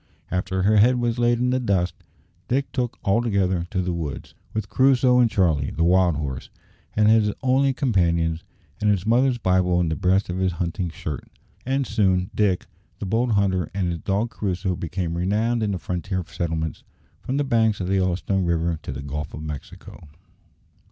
After her head was laid in the dust, Dick took altogether to the woods, with Crusoe and Charlie, the wild horse, as his only companions, and his mother's Bible in the breast of his hunting shirt. And soon Dick, the bold hunter, and his dog Crusoe became renowned in the frontier settlements from the banks of the Yellowstone River to the Gulf of Mexico.